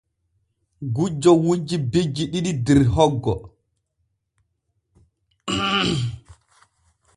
Gujjo wujji bijji ɗiɗi der hoggo.